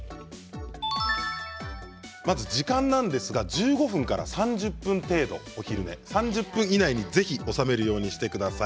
まず時間なんですが１５分から３０分程度３０分以内にぜひ収めるようにしてください。